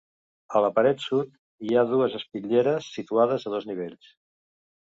A la paret sud hi ha dues espitlleres situades a dos nivells.